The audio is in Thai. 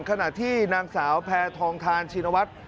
ขณะที่นางสาวแพทองทานชินวัฒน์